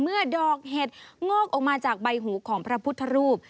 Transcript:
ดอกเห็ดงอกออกมาจากใบหูของพระพุทธรูป